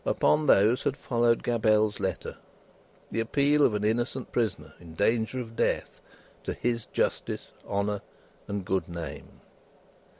Upon those, had followed Gabelle's letter: the appeal of an innocent prisoner, in danger of death, to his justice, honour, and good name.